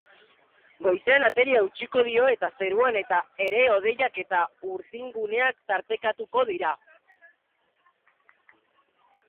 Goizean ateri eutsiko dio eta zeruan ere hodeiak eta urdinguneak tartekatuko dira.